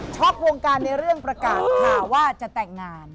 วงการในเรื่องประกาศข่าวว่าจะแต่งงาน